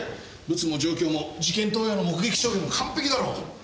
ブツも状況も事件当夜の目撃証言も完璧だろう。